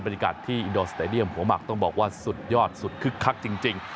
บรรยากาศที่อินดอร์สเตดียมหัวหมักต้องบอกว่าสุดยอดสุดคึกคักจริง